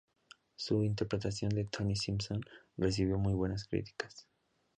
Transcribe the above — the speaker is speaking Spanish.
Su interpretación de Tony Simmons recibió muy buenas críticas.